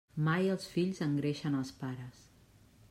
Mai els fills engreixen als pares.